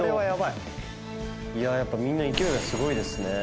いやあやっぱみんな勢いがすごいですね。